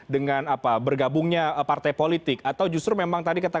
dengan apa bergabungnya partai politik atau justru memang tadi kata